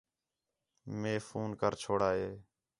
مے فون کر چھوڑا ہے